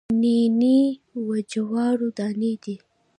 نینې د جوارو دانې دي